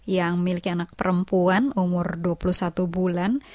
yang milik anak perempuan umur dua puluh satu bulan